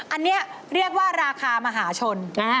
อันนี้เรียกว่าราคามหาชน